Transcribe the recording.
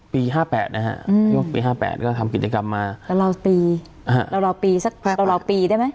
ปี๕๘นะฮะอืมปี๕๘ก็ทำกิจกรรมมาตลาดปีอ่าอาหรือตลาดปีสักตลาดปีได้ไหม